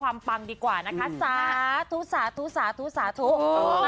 ความปังดีกว่านะคะซถูสะทูสะทูสะทุก